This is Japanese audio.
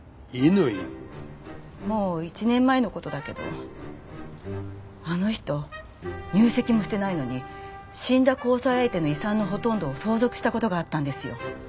もう１年前の事だけどあの人入籍もしてないのに死んだ交際相手の遺産のほとんどを相続した事があったんですよ。